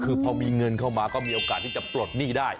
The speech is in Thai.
คือพอมีเงินเข้ามาก็มีโอกาสที่จะปลดหนี้ได้